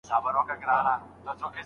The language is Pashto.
اختر په وینو